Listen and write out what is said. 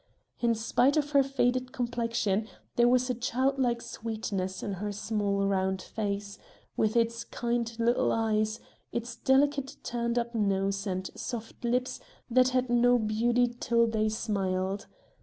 In spite of her faded complexion there was a childlike sweetness in her small round face, with its kind little eyes, its delicate turned up nose, and soft lips that had no beauty till they smiled.